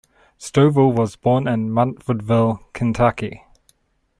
Stovall was born in Munfordville, Kentucky.